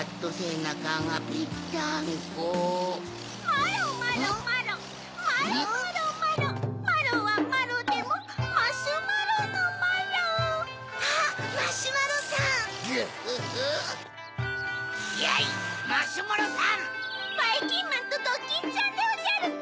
ばいきんまんとドキンちゃんでおじゃるか。